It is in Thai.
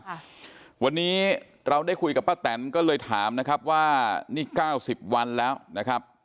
ค่ะวันนี้เราได้คุยกับป้าแตนก็เลยถามนะครับว่านี่เก้าสิบวันแล้วนะครับ